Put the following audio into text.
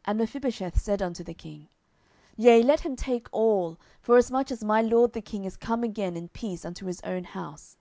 10:019:030 And Mephibosheth said unto the king, Yea, let him take all, forasmuch as my lord the king is come again in peace unto his own house.